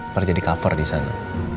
pernah jadi cover di sana